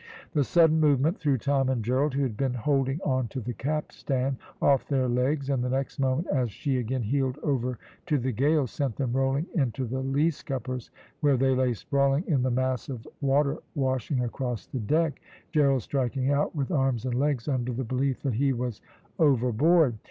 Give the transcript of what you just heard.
The sudden movement threw Tom and Gerald, who had been holding on to the capstan, off their legs, and the next moment, as she again heeled over to the gale sent them rolling into the lee scuppers, where they lay sprawling in the mass of water washing across the deck Gerald striking out with arms and legs under the belief that he was overboard.